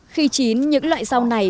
khi chín những loại rau này